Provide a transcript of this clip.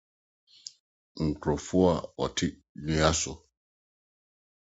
Nkurɔfo a Wɔte Nnua So